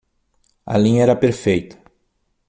A linha era perfeita.